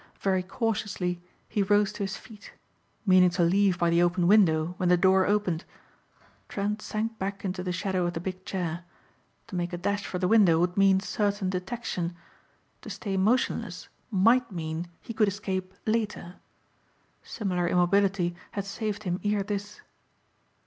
Very cautiously he rose to his feet, meaning to leave by the open window when the door opened. Trent sank back into the shadow of the big chair. To make a dash for the window would mean certain detection. To stay motionless might mean he could escape later. Similar immobility had saved him ere this.